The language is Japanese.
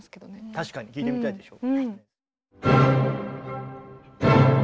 確かに聴いてみたいでしょ。